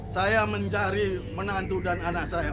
saya mencari menantu dan anak saya